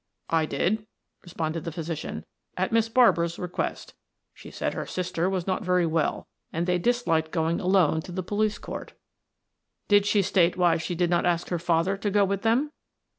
"I did," responded the physician, "at Miss Barbara's request. She said her sister was not very well and they disliked going alone to the police court." "Did she state why she did not ask her father to go with them?"